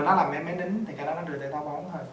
nó làm em bé đánh đính thì cái đó nó đưa ra táo bón thôi